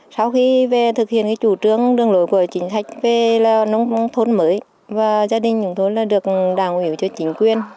sau khi về thực hiện cái chủ trương đường lối của chính sách về là nông thôn mới và gia đình chúng tôi là được đảng ủy cho chính quyền